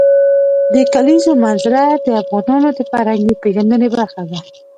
د کلیزو منظره د افغانانو د فرهنګي پیژندنې برخه ده.